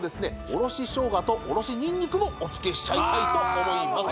おろししょうがとおろしにんにくもおつけしちゃいたいと思います